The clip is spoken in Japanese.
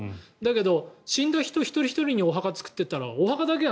でも死んだ人一人ひとりにお墓を作っていったらお墓だけが